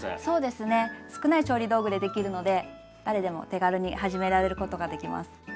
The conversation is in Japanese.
そうですね少ない調理道具でできるので誰でも手軽に始められることができます。